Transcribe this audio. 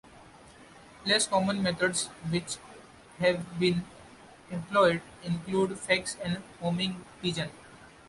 Less common methods which have been employed include fax and homing pigeon.